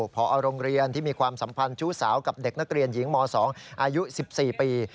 พอโรงเรียนที่มีความสัมพันธ์ชู้สาวกับเด็กนักเรียนหญิงม๒อายุ๑๔ปี